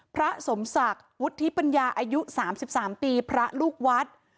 พระสมศักดิ์วุฒิปัญญาอายุ๓๓ปีพระลูกวัด